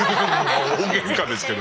大げんかですけどね